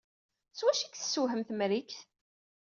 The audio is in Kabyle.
S wacu ay k-tessewhem Temrikt?